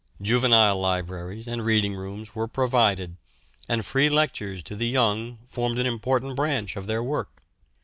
Juvenile libraries and reading rooms were provided, and free lectures to the young formed an important branch of their work.